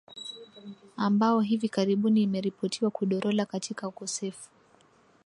ambao hivi karibuni imeripotiwa kudorola katika ukosefu